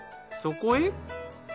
そこへ。